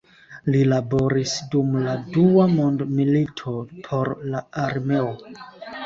Li laboris dum la dua mondmilito por la armeo.